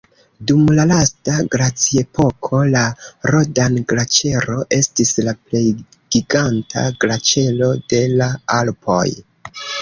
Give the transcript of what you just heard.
Dum la lasta glaciepoko la Rodan-Glaĉero estis la plej giganta glaĉero de la Alpoj.